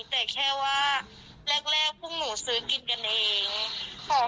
แต่แค่ว่าแรกพวกหนูซื้อกินกันเอง